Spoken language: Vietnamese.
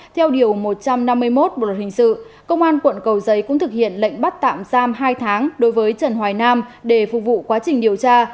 theo điều một trăm năm mươi một bộ luật hình sự công an quận cầu giấy cũng thực hiện lệnh bắt tạm giam hai tháng đối với trần hoài nam để phục vụ quá trình điều tra